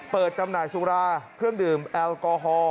จำหน่ายสุราเครื่องดื่มแอลกอฮอล์